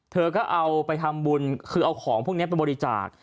เธอก็เอาไปทำบุญคือเอาของพวกนี้ไปบริจาค